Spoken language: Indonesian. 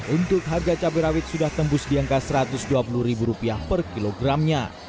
untuk harga cabai rawit sudah tembus di angka rp satu ratus dua puluh per kilogramnya